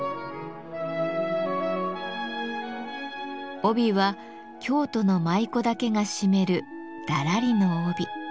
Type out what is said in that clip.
帯は京都の舞妓だけが締める「だらりの帯」。